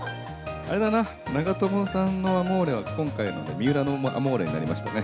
あれだな、長友さんのアモーレは今回ので三浦のアモーレになりましたね。